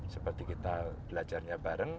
seperti kita belajarnya bareng